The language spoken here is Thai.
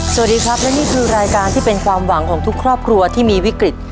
สวัสดีครับและนี่คือรายการที่เป็นความหวังของทุกครอบครัวที่มีวิกฤต